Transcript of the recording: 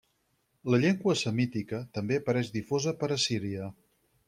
La llengua semítica també apareix difosa per Assíria.